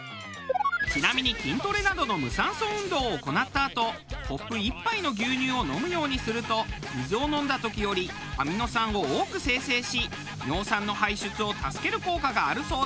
ちなみに筋トレなどの無酸素運動を行ったあとコップ１杯の牛乳を飲むようにすると水を飲んだ時よりアミノ酸を多く生成し尿酸の排出を助ける効果があるそうです。